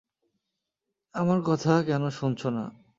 আমার কথা কেন শোনছো না?